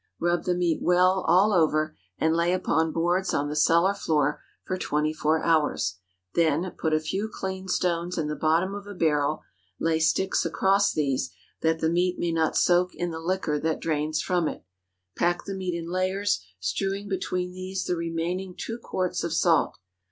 Rub the meat well all over, and lay upon boards on the cellar floor for twenty four hours. Then, put a few clean stones in the bottom of a barrel; lay sticks across these, that the meat may not soak in the liquor that drains from it. Pack the meat in layers, strewing between these the remaining two quarts of salt.